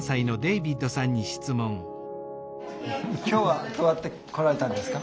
今日はどうやって来られたんですか？